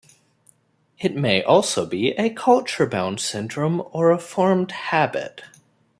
It may also be a culture-bound syndrome or a formed habit.